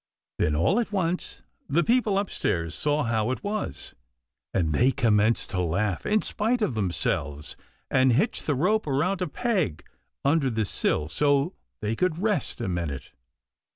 Then all at once the people up stairs saw how it was, and they commenced to laugh in spite of themselves, and hitched the rope around a peg under the sill so they could rest a minute.